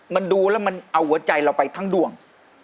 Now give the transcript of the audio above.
มันดูแล้วมันเอาหัวใจเราไปทั้งดวง